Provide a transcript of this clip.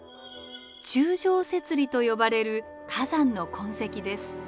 柱状節理と呼ばれる火山の痕跡です。